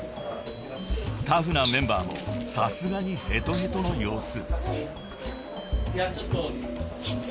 ［タフなメンバーもさすがにヘトヘトの様子］